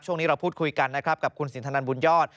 ช่วงนี้เราพูดคุยกันนะครับกับคุณสินทนันบุญยอด